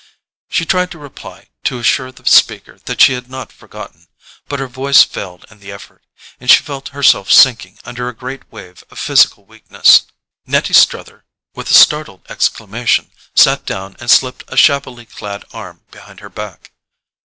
She tried to reply, to assure the speaker that she had not forgotten; but her voice failed in the effort, and she felt herself sinking under a great wave of physical weakness. Nettie Struther, with a startled exclamation, sat down and slipped a shabbily clad arm behind her back.